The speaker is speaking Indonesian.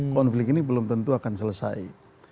konflik ini belum tentu akan selesai